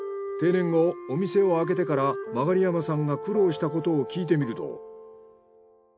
定年後お店を開けてから曲山さんが苦労したことを聞いてみると。